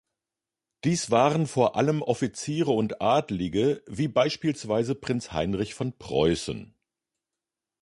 Dies waren vor allem Offiziere und Adelige, wie beispielsweise Prinz Heinrich von Preußen.